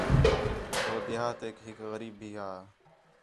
ہو دیہاتیک ہِک غریب بھی ہا